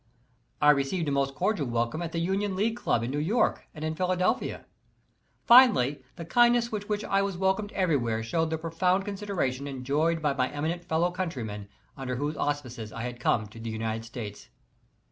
I received a most cordial welcome at the Union League Club in New York and in Philadelphia. Finally, the kindness with which I was welcomed everywhere showed the profound considera tion enjoyed by my eminent fellow countrymen under whose auspices I had come to the United States.